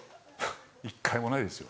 一回もないですよ。